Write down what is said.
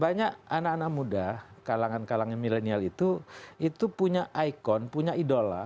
banyak anak anak muda kalangan kalangan milenial itu itu punya ikon punya idola